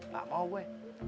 gak mau gue